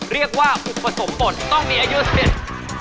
เรียกว่าอุปสมบทต้องมีอายุเสร็จ